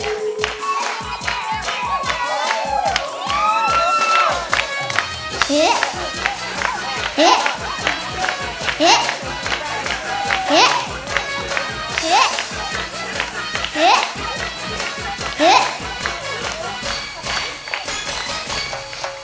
อารมณ์เสียอารมณ์เสียอารมณ์เสีย